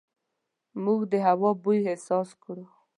موږ د هوا بوی احساس کړو.